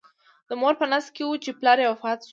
د مور په نس کې و چې پلار یې وفات شو.